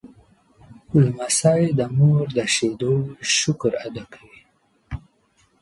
لمسی د مور د شیدو شکر ادا کوي.